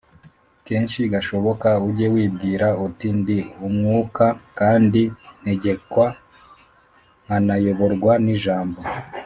Keshi gashoboka ujye wibwira uti ndi uwumwuka kandi ntegekwa nkanayoborwa nijambo